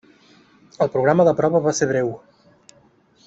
El programa de prova va ser breu.